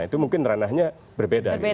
itu mungkin ranahnya berbeda